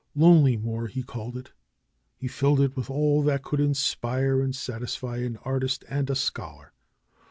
Lonelymoor he called it. He filled it with all that could inspire and satisfy an artist and a scholar.